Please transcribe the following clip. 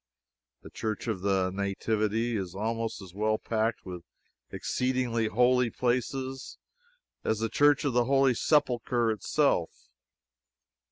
The Church of the Nativity is almost as well packed with exceeding holy places as the Church of the Holy Sepulchre itself.